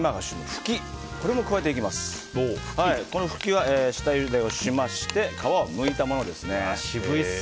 フキは下ゆでをしまして皮をむいたものです。